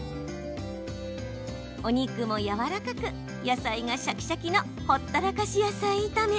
お肉もやわらかく野菜がシャキシャキのほったらかし野菜炒め